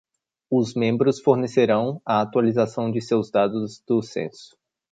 Os membros fornecerão a atualização de seus dados do censo.